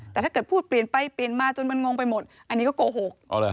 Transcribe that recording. แต่ถ้าเกิดพูดเปลี่ยนไปเปลี่ยนมาจนมันงงไปหมดอันนี้ก็โกหก